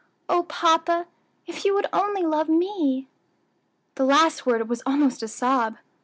O papa! if you would only love me." The last word was almost a sob.